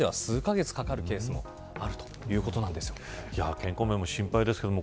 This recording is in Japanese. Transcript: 健康面も心配ですけど